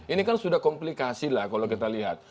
ini kan sudah komplikasi lah kalau kita lihat